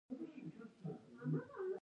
ستوني غرونه د افغانستان د صادراتو برخه ده.